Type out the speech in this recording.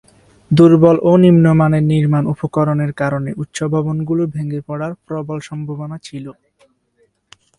দূর্বল ও নিম্নমানের নির্মাণ উপকরণের কারণে উচ্চ ভবনগুলো ভেঙে পড়ার প্রবল সম্ভাবনা ছিল।